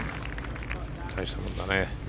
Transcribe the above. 大したもんだね。